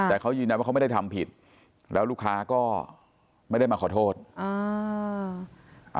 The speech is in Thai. แต่เขายืนยันว่าเขาไม่ได้ทำผิดแล้วลูกค้าก็ไม่ได้มาขอโทษอ่า